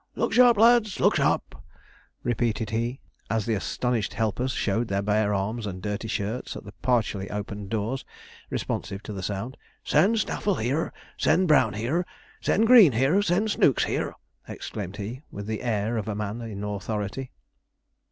'Look sharp, lads! look sharp!' repeated he, as the astonished helpers showed their bare arms and dirty shirts at the partially opened doors, responsive to the sound. 'Send Snaffle here, send Brown here, send Green here, send Snooks here,' exclaimed he, with the air of a man in authority.